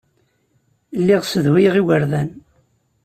Lliɣ ssedhuyeɣ igerdan.